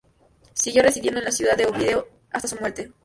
Siguió residiendo en la ciudad de Oviedo hasta su muerte.